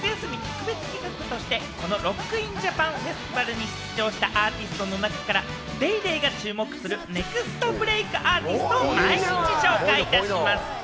さらに今週１週間、夏休み特別企画として、このＲＯＣＫＩＮＪＡＰＡＮＦＥＳＴＩＶＡＬに出場したアーティストの中から、『ＤａｙＤａｙ．』が注目するネクストブレイクアーティストを毎日紹介いたします。